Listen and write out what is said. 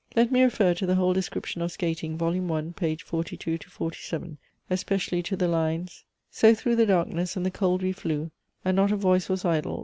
Let me refer to the whole description of skating, vol. I. page 42 to 47, especially to the lines "So through the darkness and the cold we flew, And not a voice was idle.